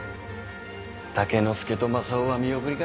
武之助と正雄は見送りか？